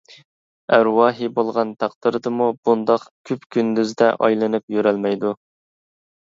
ئەرۋاھى بولغان تەقدىردىمۇ بۇنداق كۈپكۈندۈزدە ئايلىنىپ يۈرەلمەيدۇ.